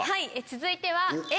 続いては。